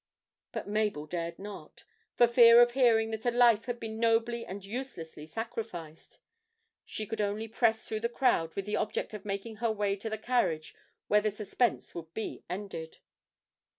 But Mabel dared not, for fear of hearing that a life had been nobly and uselessly sacrificed; she could only press through the crowd with the object of making her way to the carriage where the suspense would be ended.